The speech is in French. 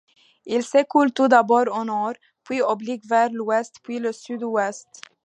Il s'écoule tout d'abord au nord, puis oblique vers l'ouest, puis le sud-ouest.